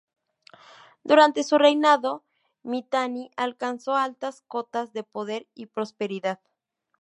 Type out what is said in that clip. Durante su reinado, Mitani alcanzó altas cotas de poder y prosperidad.